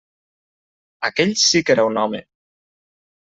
Aquell sí que era un home.